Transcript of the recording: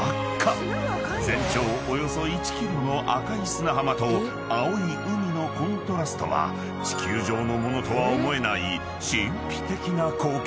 ［全長およそ１ｋｍの赤い砂浜と青い海のコントラストは地球上のものとは思えない］